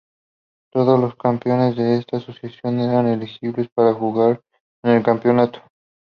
Todos los campeones de estas asociaciones eran elegibles para jugar en el campeonato.